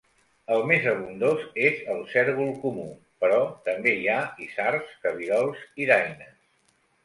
El més abundós és el cérvol comú, però també hi ha isards, cabirols i daines.